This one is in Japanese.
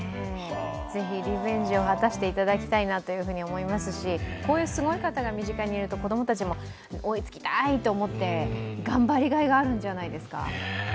ぜひリベンジを果たしていただきたいなと思いますし、こういうすごい方が身近にいると、子供たちも追いつきたいと思って、頑張りがいがあるんじゃないですか。